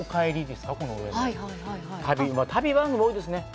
旅番組が多いですね。